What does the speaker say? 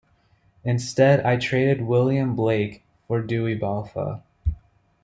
Instead I traded William Blake for Dewey Balfa.